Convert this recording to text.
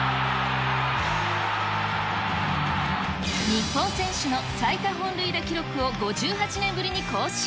日本選手の最多本塁打記録を５８年ぶりに更新。